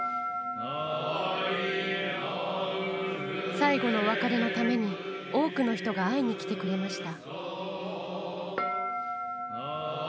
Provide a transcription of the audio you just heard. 最後のお別れのために、多くの人が会いに来てくれました。